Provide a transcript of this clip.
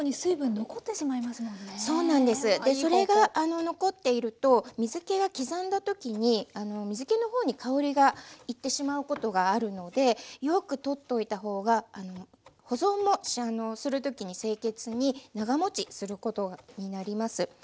でそれが残っていると刻んだ時に水けの方に香りが行ってしまうことがあるのでよく取っといた方が保存もする時に清潔に長もちすることになります。